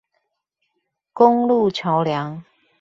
公路橋梁